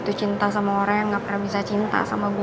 itu cinta sama orang yang gak pernah bisa cinta sama gue